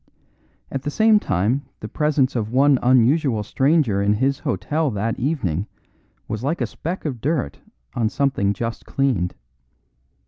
At the same time the presence of one unusual stranger in his hotel that evening was like a speck of dirt on something just cleaned.